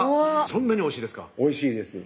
そんなにおいしいですか？